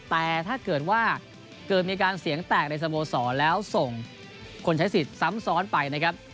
แต่ถ้าเกิดว่าเกิดมีการเสียงแตกในสโมสรแล้วส่งคนใช้สิทธิ์ซ้ำซ้อนไปนะครับ